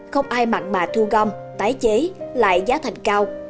không ai mặn mà thu gom tái chế lại giá thành cao